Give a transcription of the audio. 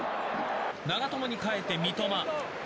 長友に変えて三笘。